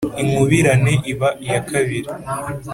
Inkubirane iba iya kabiri